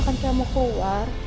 nanti kalau kamu mau keluar